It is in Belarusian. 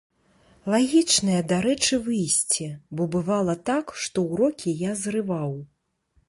Лагічнае, дарэчы, выйсце, бо бывала так, што ўрокі я зрываў.